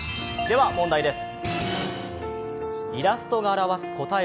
では問題です。